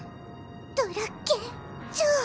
ドラッケン・ジョー。